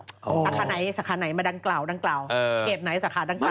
สาขาไหนสาขาไหนมาดังกล่าวดังกล่าวเขตไหนสาขาดังกล